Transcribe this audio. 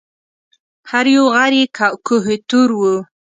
هر یو غر یې کوه طور و